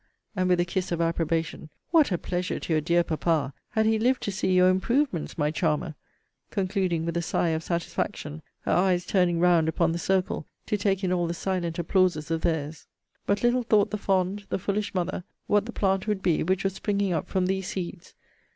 and, with a kiss of approbation, What a pleasure to your dear papa, had he lived to see your improvements, my Charmer! Concluding with a sigh of satisfaction, her eyes turning round upon the circle, to take in all the silent applauses of theirs! But little though the fond, the foolish mother, what the plant would be, which was springing up from these seeds!